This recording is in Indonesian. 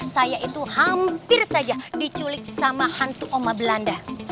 saya itu hampir saja diculik sama hantu oma belanda